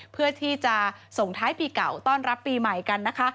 เพื่อที่จะส่งท้ายปีเก่าต้อนรับปีใหม่กันนะคะ